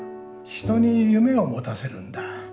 人に夢を持たせるんだ。